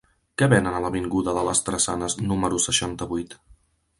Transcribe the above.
Què venen a l'avinguda de les Drassanes número seixanta-vuit?